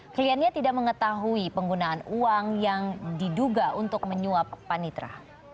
kliennya tidak mengetahui penggunaan uang yang diduga untuk menyuap panitra